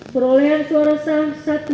perolehan suara sah